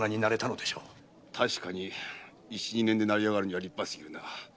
確かに一年二年で成り上がるには立派すぎるな。